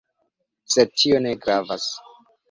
Sed tio ne gravas.